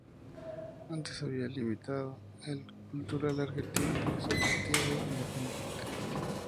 Antes había militado en Cultural Argentino y Sportivo Independiente.